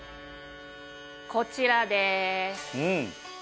こちらです。